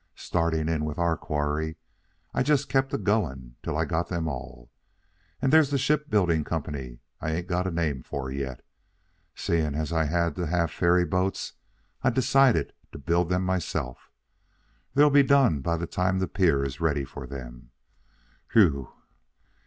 Starting in with our quarry, I just kept a going till I got them all. And there's the ship building company I ain't got a name for yet. Seeing as I had to have ferry boats, I decided to build them myself. They'll be done by the time the pier is ready for them. Phew!